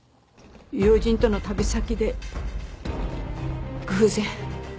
友人との旅先で偶然。